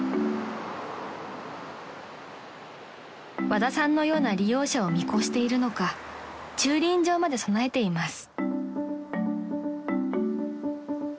［和田さんのような利用者を見越しているのか駐輪場まで備えています］